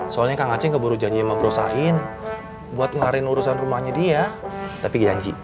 soalnya kang aceh keburu janji memperusakkan buat ngelarin urusan rumahnya dia tapi janji